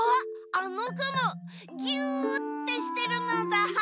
あのくもぎゅってしてるのだ。